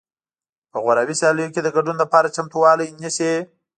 په غوراوي سیالیو کې د ګډون لپاره چمتووالی نیسي